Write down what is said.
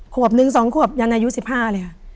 ขวบนึงสองขวบยันอายุสิบห้าเลยอะ